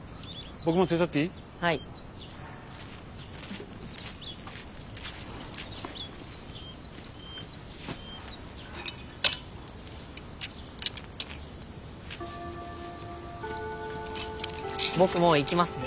僕もう行きますね。